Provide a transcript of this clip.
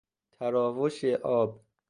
تراوش آب